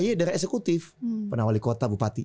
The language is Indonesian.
ya dari eksekutif penawali kota bupati